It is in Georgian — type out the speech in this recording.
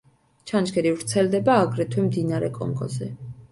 ჩანჩქერი ვრცელდება აგრეთვე მდინარე კონგოზე.